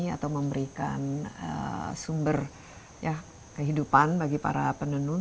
atau memberikan sumber kehidupan bagi para penenun